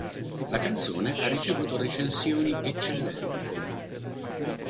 La canzone ha ricevuto recensioni eccellenti.